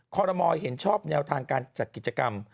คอรมอลเห็นชอบแนวทางการจัดกิจกรรม